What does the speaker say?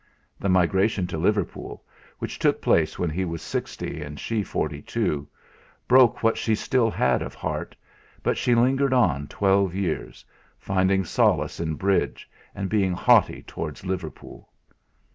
The migration to Liverpool, which took place when he was sixty and she forty two, broke what she still had of heart, but she lingered on twelve years, finding solace in bridge, and being haughty towards Liverpool.